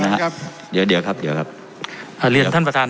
นะครับเดี๋ยวเดี๋ยวครับเดี๋ยวครับอ่าเรียนท่านประธาน